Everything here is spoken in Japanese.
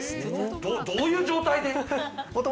どういう状態で？